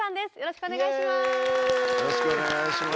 よろしくお願いします。